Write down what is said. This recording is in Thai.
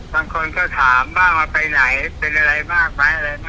บางคนก็ถามบ้างว่าไปไหนเป็นอะไรมากไหมอะไร